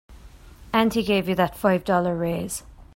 And he gave you that five dollar raise.